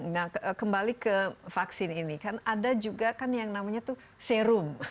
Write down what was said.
nah kembali ke vaksin ini kan ada juga kan yang namanya itu serum